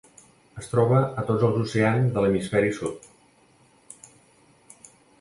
Es troba a tots els oceans de l'hemisferi sud.